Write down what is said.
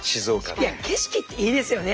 景色っていいですよね